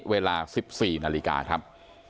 เวลา๑๔นาฬิกาครับ